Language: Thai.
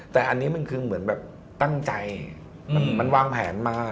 แต่อันนี้มันคือเหมือนแบบตั้งใจมันวางแผนมา